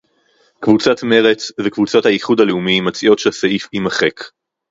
קבוצת מרצ וקבוצת האיחוד הלאומי מציעות שהסעיף יימחק